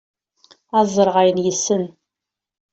ad ẓreɣ ayen yessen